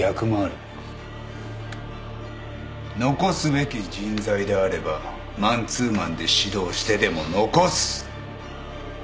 残すべき人材であればマンツーマンで指導してでも残す。